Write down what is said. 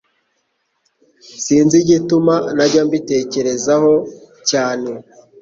sinz igituma ntajya mbitekereza ho cyane